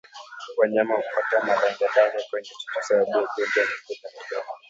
Wanyama hupata malengelenge kwenye chuchu sababu ya ugonjwa wa miguu na midomo